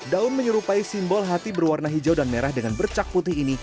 daun menyerupai simbol hati berwarna hijau dan merah dengan bercak putih ini